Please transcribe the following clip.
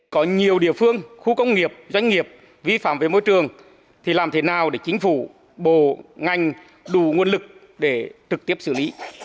có nhiều địa phương khu công nghiệp doanh nghiệp vi phạm về môi trường thì làm thế nào để chính phủ bộ ngành đủ nguồn lực để trực tiếp xử lý